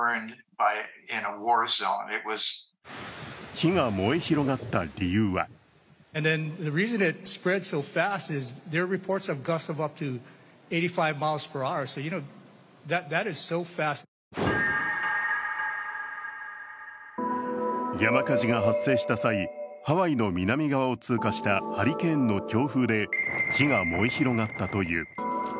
火が燃え広がった理由は山火事が発生した際ハワイの南側を通過したハリケーンの強風で火が燃え広がったという。